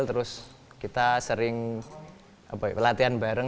terus kita sering latihan bareng